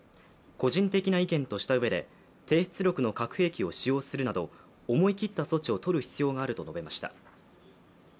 個人的な意見としたうえで低出力の核兵器を使用するなど、思い切った措置を取る必要があると述べました。